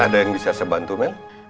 ada yang bisa sebantu mel